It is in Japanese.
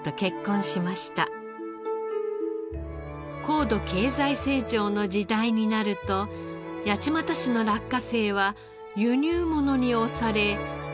高度経済成長の時代になると八街市の落花生は輸入物に押され生産量は減少。